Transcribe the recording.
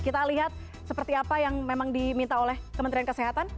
kita lihat seperti apa yang memang diminta oleh kementerian kesehatan